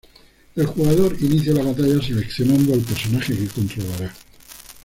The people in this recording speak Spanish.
El jugador inicia la batalla seleccionando al personaje que controlará.